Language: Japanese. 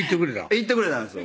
行ってくれたんですよ